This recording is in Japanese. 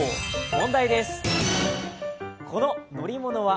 問題です。